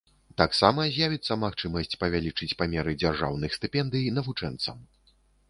Таксама з'явіцца магчымасць павялічыць памеры дзяржаўных стыпендый навучэнцам.